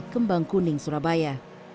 kembang kuning surabaya